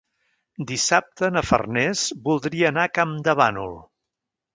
Dissabte na Farners voldria anar a Campdevànol.